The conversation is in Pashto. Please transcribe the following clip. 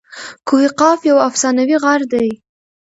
کوه قاف یو افسانوي غر دئ.